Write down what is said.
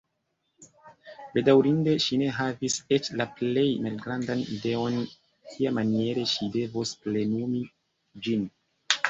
Bedaŭrinde, ŝi ne havis eĉ la plej malgrandan ideon kiamaniere ŝi devos plenumi ĝin.